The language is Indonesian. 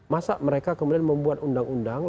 masa mereka kemudian membuat undang undang